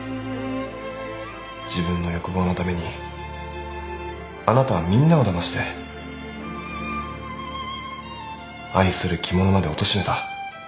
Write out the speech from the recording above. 自分の欲望のためにあなたはみんなをだまして愛する着物までおとしめた。